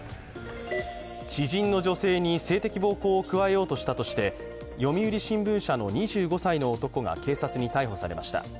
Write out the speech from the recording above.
知人の女性に性的暴行を加えようとしたとして読売新聞社の２５歳の男が警察に逮捕されました。